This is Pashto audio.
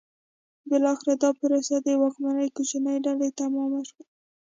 بالاخره دا پروسه د واکمنې کوچنۍ ډلې تمامه شوه.